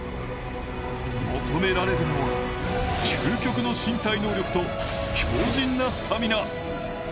求められるのは、究極の身体能力と強じんなスタミナ。